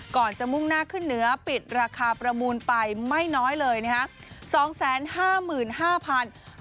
ก่อนจะมุ่งหน้าขึ้นเหนือปิดราคาประมูลไปไม่น้อยเลยนะครับ